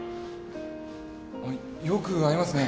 よく会いますね